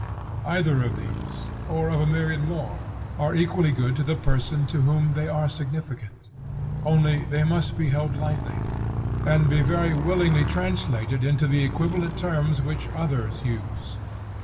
Either of these, or of a myriad more, are equally good to the person to whom they are significant. Only they must be held lightly, and be very willingly translated into the equivalent terms which others use.